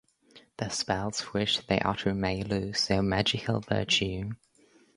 The spells which they utter may lose their magical virtue.